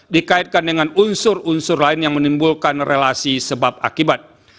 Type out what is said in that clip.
dikaitkan dengan unsur unsur lain yang menimbulkan relasi sebab akibat